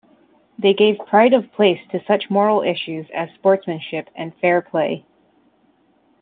They gave pride of place to such moral issues as sportsmanship and fair play.